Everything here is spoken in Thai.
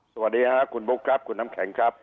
สวัสดีค่ะคุณบุ๊คครับคุณน้ำแข็งครับ